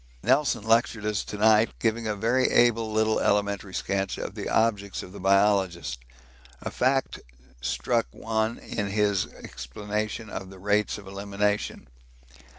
Nelson lectured to us to night, giving a very able little elementary sketch of the objects of the biologist. A fact struck one in his explanation of the rates of elimination.